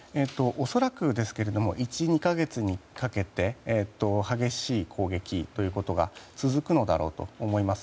恐らくですが１２か月かけて激しい攻撃ということが続くのだろうと思います。